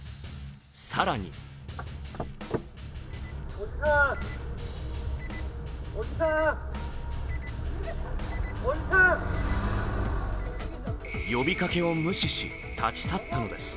更に呼びかけを無視し立ち去ったのです。